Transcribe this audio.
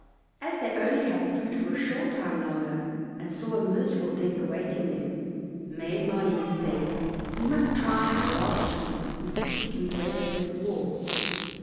As they only had food for a short time longer, and saw a miserable death awaiting them, Maid Maleen said, "We must try our last chance, and see if we can break through the wall."